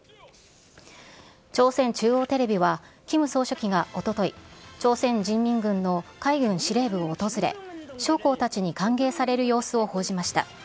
朝鮮中央テレビは、キム総書記がおととい、朝鮮人民軍の海軍司令部を訪れ、将校たちに歓迎される様子を報じました。